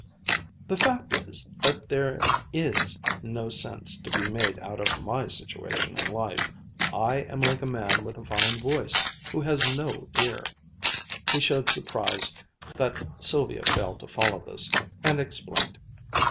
"The fact is that there is no sense to be made out of my situation in life. I am like a man with a fine voice, who has no ear." He showed surprise that Sylvia failed to follow this, and explained.